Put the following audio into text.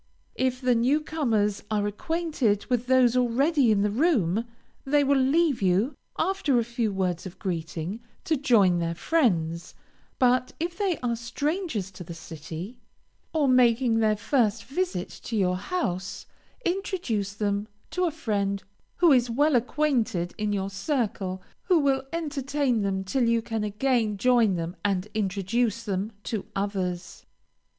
If the new comers are acquainted with those already in the room, they will leave you, after a few words of greeting, to join their friends; but if they are strangers to the city, or making their first visit to your house, introduce them to a friend who is well acquainted in your circle, who will entertain them till you can again join them and introduce them to others.